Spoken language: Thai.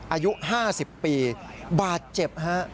อายุ๕๐ปีบาดเจ็บฮะ